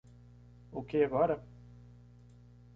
O que agora?